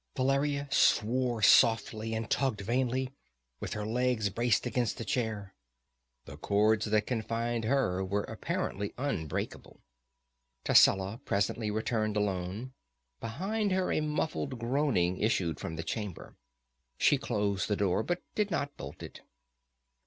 Valeria swore softly and tugged vainly, with her legs braced against the chair. The cords that confined her were apparently unbreakable. Tascela presently returned alone; behind her a muffled groaning issued from the chamber. She closed the door but did not bolt it.